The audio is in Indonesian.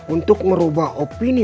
untuk merubah opini